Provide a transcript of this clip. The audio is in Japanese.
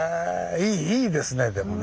いいですねでもね。